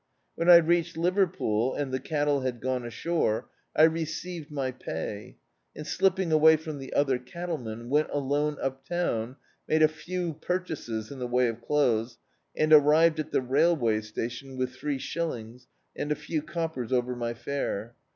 When I reached Liverpool, and the cattle had gi»ie ashore, I received my pay, and, slipping away from the other cattlemen, went alone up town, made a few purchases in the way of clothes, and arrived at the railway station with three shillings and a few coppers over my fare.